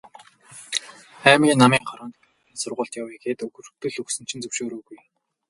Аймгийн Намын хороонд Горькийн сургуульд явъя гээд өргөдөл өгсөн чинь зөвшөөрөөгүй.